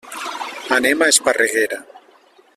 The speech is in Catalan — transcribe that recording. Anem a Esparreguera.